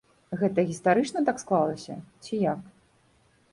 Гэта гістарычна так склалася, ці як?